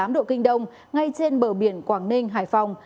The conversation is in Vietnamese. một trăm linh bảy tám độ kinh đông ngay trên bờ biển quảng ninh hải phòng